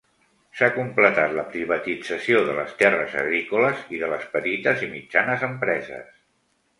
S'ha completat la privatització de les terres agrícoles i de les petites i mitjanes empreses.